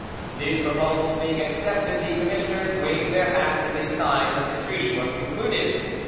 These proposals being accepted, the commissioners waved their hats as a sign that the treaty was concluded.